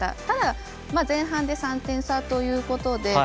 ただ、前半で３点差ということで。